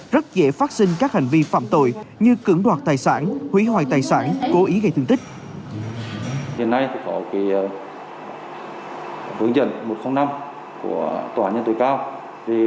rất dễ phát sinh các hành vi phạm tội như cưỡng đoạt tài sản hủy hoại tài sản cố ý gây thương tích